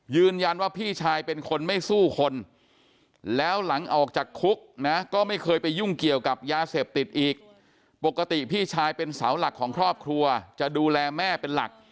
ยืนยันว่าพี่ชายเป็นคนไม่สู้คนแล้วหลังออกจากคุกนะก็ไม่เคยไปยุ่งเกี่ยวกับยาเสพติดอีกปกติพี่ชายเป็นเสาหลักของครอบครัวจะดูแลแม่เป็นหลัก